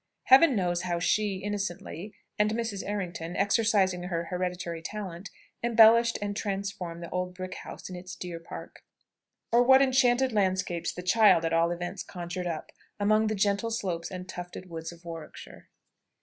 Heaven knows how she, innocently, and Mrs. Errington, exercising her hereditary talent, embellished and transformed the old brick house in its deer park; or what enchanted landscapes the child at all events conjured up, among the gentle slopes and tufted woods of Warwickshire!